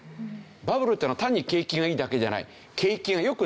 バブルっていうのは単に景気がいいだけじゃない。